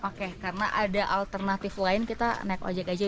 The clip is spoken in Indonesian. oke karena ada alternatif lain kita naik ojek aja